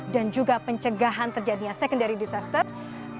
dan juga pencegahan terjadinya secondary disaster seperti tersebarnya wabah penyakit